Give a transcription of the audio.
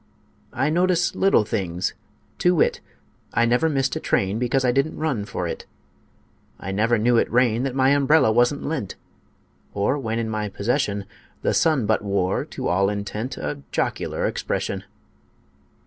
I notice little things to wit: I never missed a train Because I didn't run for it; I never knew it rain That my umbrella wasn't lent, Or, when in my possession, The sun but wore, to all intent, A jocular expression.